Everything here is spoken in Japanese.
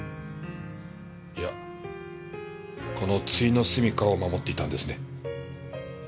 いやこの終のすみかを守っていたんですね？